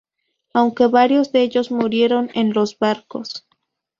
Aunque varios de ellos murieron en los barcos.